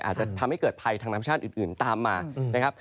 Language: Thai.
อาจจะทำให้เกิดภัยทางธรรมชาติอื่นตามมานะครับ